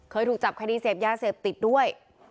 เคยถูกจับคดีเสพยาเสพติดด้วย